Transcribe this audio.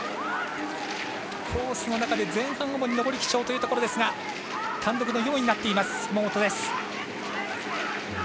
コースの中で前半上り基調というところですが単独で４位になっています。